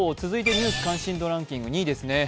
ニュース関心度ランキング２位ですね。